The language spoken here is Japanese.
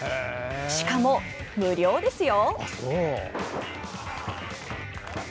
しかも、無料ですよ！